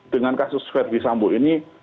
dengan kasus ferdisambu ini